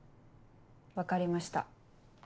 分かりました。